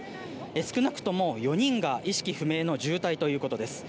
少なくとも４人が意識不明の重体ということです。